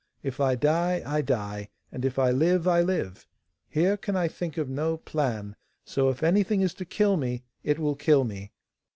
If I die, I die, and if I live, I live. Here can I think of no plan, so if anything is to kill me, it will kill me.